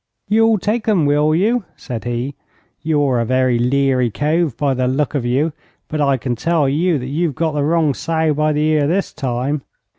'You'll take them, will you?' said he. 'You're a very leery cove, by the look of you, but I can tell you that you've got the wrong sow by the ear this time.